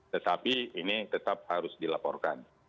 tetapi ini tetap harus dilaporkan